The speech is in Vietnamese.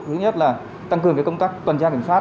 thứ nhất là tăng cường công tác quan trang kiểm soát